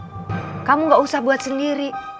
eh kamu gak usah buat sendiri